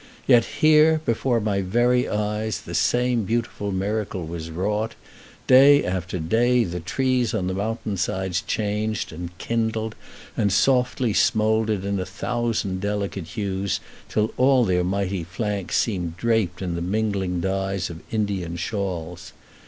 Yet here, before my very eyes, the same beautiful miracle was wrought. Day after day the trees on the mountain sides changed, and kindled and softly smouldered in a thousand delicate hues, till all their mighty flanks seemed draped in the mingling dyes of Indian shawls.